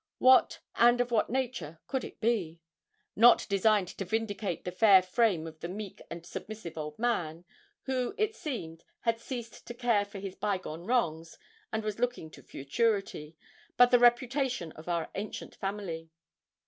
What, and of what nature, could it be? Not designed to vindicate the fair fame of the meek and submissive old man who, it seemed, had ceased to care for his bygone wrongs, and was looking to futurity but the reputation of our ancient family.